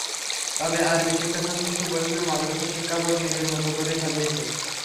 তবে আরবি শিক্ষাসংশ্লিষ্ট বইগুলো মাদ্রাসা শিক্ষা বোর্ড নিজের মতো করেই সাজিয়েছে।